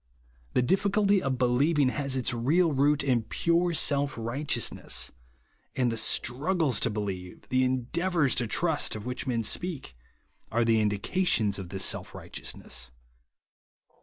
The difficulty of believ ing has its real root in pure self righteous ness ; and the struggles to believe, the eiideavoiirs to trust, of which men speak, are the indications of this self rigliteous ness.